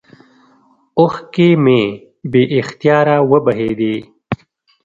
اوښكې مې بې اختياره وبهېدې.